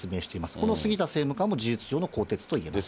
この杉田政務官も事実上の更迭と言えます。